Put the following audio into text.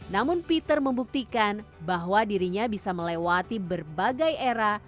namun peter membuktikan bahwa dirinya bisa melewati berbagai era